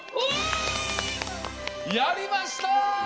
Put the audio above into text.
やりました！